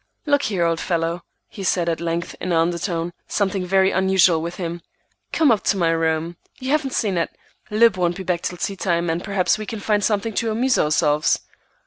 "Look here, old fellow," he said at length in an undertone, something very unusual with him, "come up to my room. You haven't seen it. Lib won't be back till teatime, and perhaps we can find something to amuse ourselves."